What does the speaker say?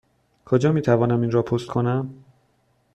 کجا می توانم این را پست کنم؟